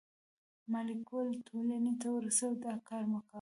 ما لیکوالو ټولنې ته ورسوی، دا کار مې کاوه.